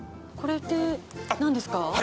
これって何ですか？